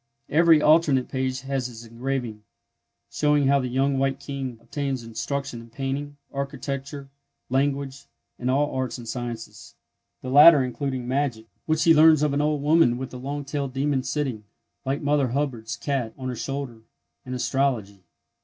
Every alternate page has its engraving, showing how the Young White King obtains instruction in painting, architecture, language, and all arts and sciences, the latter including magic—which he learns of an old woman with a long tailed demon sitting, like Mother Hubbard's cat, on her shoulder—and astrology.